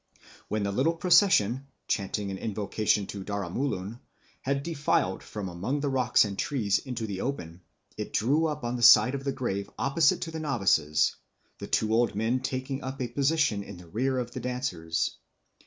When the little procession, chanting an invocation to Daramulun, had defiled from among the rocks and trees into the open, it drew up on the side of the grave opposite to the novices, the two old men taking up a position in the rear of the dancers.